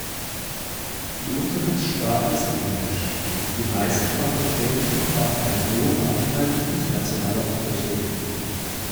Die Unterrichtssprache ist Englisch, die meisten Fakultäten haben einen hohen Anteil internationaler Professoren.